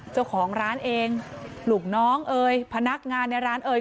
เจ้าของร้านเองลูกน้องเอ๋ยพนักงานในร้านเอ่ย